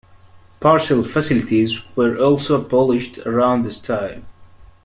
Parcel facilities were also abolished around this time.